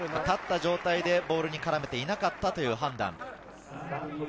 立った状態でボールに絡めていなかったという判断。